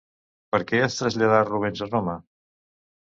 Per què es traslladà Rubens a Roma?